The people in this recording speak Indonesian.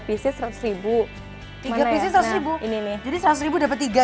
tiga pieces seratus ribu jadi seratus ribu dapat tiga gitu ya